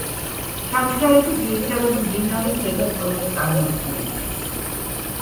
ჩანჩქერები ძირითადად მდინარის ზედა წელში წარმოიქმნებიან.